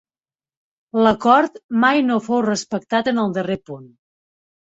L'acord mai no fou respectat en el darrer punt.